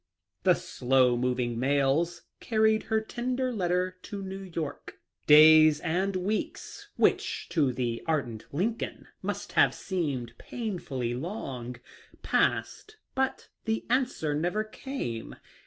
The slow moving mails carried her tender letter to New York. Days and weeks — which to the ardent Lincoln must have seemed painfully long — passed, but the answer nlsver came.